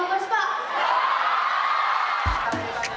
ini cuma untuk memupulkan beberapa beberapa barang saja